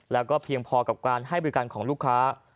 แล้วก็เพียงพอกับการให้บริการของลูกค้า